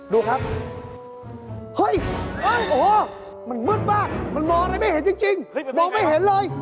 ดูครับเฮ้ยโอ้โหมันมืดมากมันมองอะไรไม่เห็นจริงมองไม่เห็นเลย